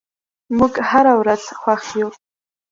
موږ هره ورځ خوښ یو.